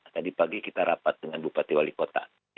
tadi pagi kita rapat dengan bupati wali kota